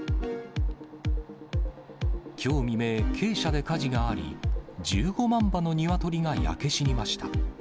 きょう未明、鶏舎で火事があり、１５万羽の鶏が焼け死にました。